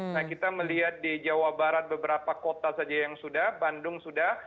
nah kita melihat di jawa barat beberapa kota saja yang sudah bandung sudah